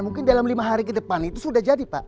mungkin dalam lima hari ke depan itu sudah jadi pak